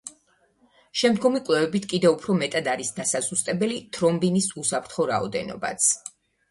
შემდგომი კვლევებით კიდევ უფრო მეტად არის დასაზუსტებელი თრომბინის უსაფრთხო რაოდენობაც.